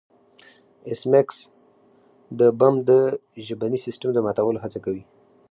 ایس میکس د بم د ژبني سیستم د ماتولو هڅه کوي